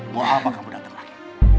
mau apa kamu datang lagi